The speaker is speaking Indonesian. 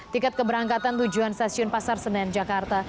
tiket keberangkatan tujuan stasiun pasar senen jakarta